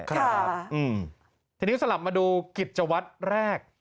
ครับอืมทีนี้สำหรับมาดูกิจวัตรแรก